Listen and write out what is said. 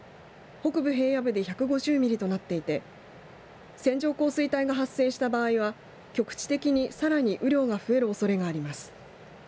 北部平野部で１５０ミリとなっていて線状降水帯が発生した場合は局地的にさらに雨量が増えるおそれがあります。